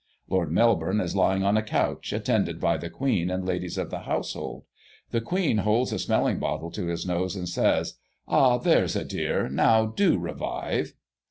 Lord Melbourne is lying on a couch, attended by the Queen and ladies of the household. The Queen holds a smelling bottle to his nose, and says: "Ah, there's a dear, now do revive."